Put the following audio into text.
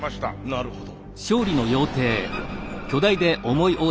なるほど。